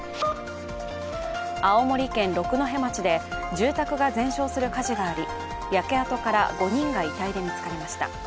青森県六戸町で住宅が全焼する火事があり焼け跡から５人が遺体で見つかりました。